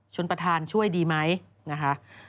ประธานช่วยดีไหมนะคะ